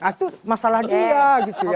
nah itu masalah dia